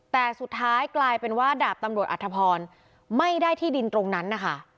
แต่สุดท้ายกลายเป็นว่าดาบตำรวจอัธพรไม่ได้ที่ดินตรงนั้นนะคะ